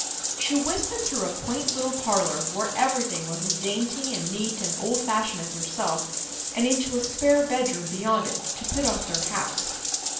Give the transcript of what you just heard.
She whisked them through a quaint little parlour, where everything was as dainty and neat and old fashioned as herself, and into a spare bedroom beyond it, to put off their hats.